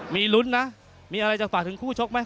มีลุ้นนะมีอะไรจะฝากถึงคู่ชกไหม